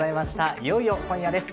いよいよ今夜です。